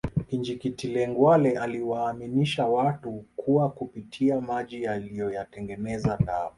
Kinjeketile Ngwale aliyewaaminisha watu kuwa kupitia maji aliyoyatengeneza dawa